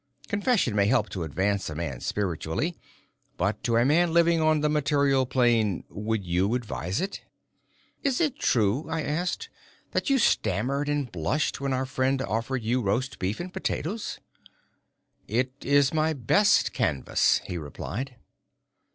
Confession may help to advance a man spiritually, but to a man living on the material plane, would you advise it?" "Is it true," I asked, "that you stammered and blushed when our friend offered you roast beef and potatoes?" "It is my best canvass," he replied.